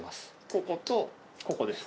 こことここです。